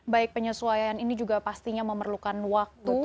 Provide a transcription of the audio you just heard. baik penyesuaian ini juga pastinya memerlukan waktu